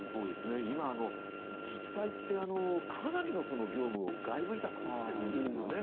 今、自治体ってかなりの業務を外部委託しているんですよね。